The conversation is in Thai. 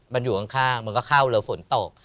มันอยู่ข้างมันก็เข้าแล้วฝนตก